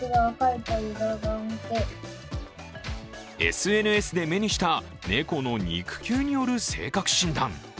ＳＮＳで目にした猫の肉球による性格診断。